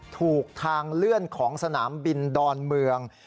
ถูกทางเลื่อนของสนามบินดอนเมือง